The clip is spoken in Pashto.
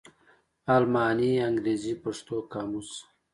الماني _انګرېزي_ پښتو قاموس